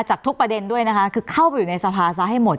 จากทุกประเด็นด้วยนะคะคือเข้าไปอยู่ในสภาซะให้หมด